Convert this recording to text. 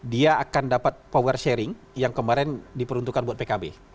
dia akan dapat power sharing yang kemarin diperuntukkan buat pkb